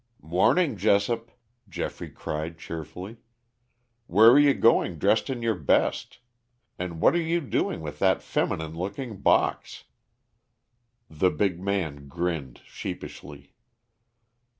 "Morning, Jessop," Geoffrey cried cheerfully. "Where are you going dressed in your best. And what are you doing with that feminine looking box?" The big man grinned sheepishly.